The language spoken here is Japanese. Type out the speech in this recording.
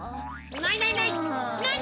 ないないない！